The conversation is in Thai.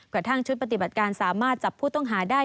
กระทั่งชุดปฏิบัติการสามารถจับผู้ต้องหาได้